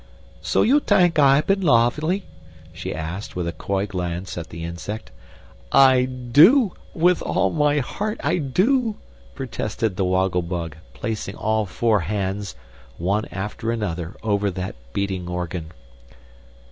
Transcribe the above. "So you tank Ay I ban loavely?" she asked, with a coy glance at the Insect. "I do! With all my heart I do!" protested the Woggle Bug, placing all four hands, one after another, over that beating organ.